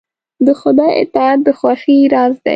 د خدای اطاعت د خوښۍ راز دی.